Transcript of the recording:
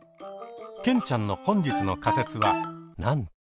ケンちゃんの本日の仮説はなんと。